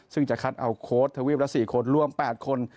ซึ่งจะคัดเอาโค้ดทวีปละ๔คนรวม๘คน